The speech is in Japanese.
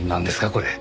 これ。